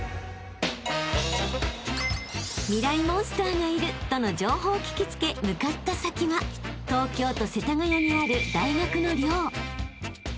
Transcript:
モンスターがいるとの情報を聞き付け向かった先は東京都世田谷にある］